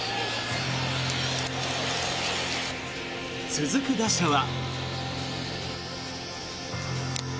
続く打者は。